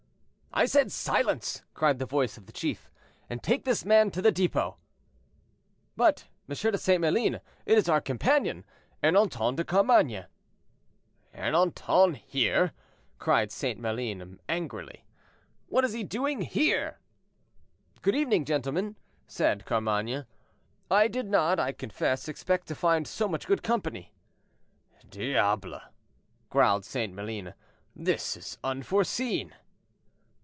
"I said silence," cried the voice of the chief; "and take this man to the depot." "But, M. de St. Maline, it is our companion, Ernanton de Carmainges." "Ernanton here!" cried St. Maline, angrily; "what is he doing here?" "Good evening, gentlemen," said Carmainges; "I did not, I confess, expect to find so much good company." "Diable!" growled St. Maline; "this is unforeseen."